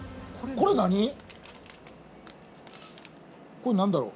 これ何だろう？